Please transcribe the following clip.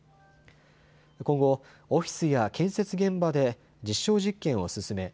今後、オフィスや建設現場で実証実験を進め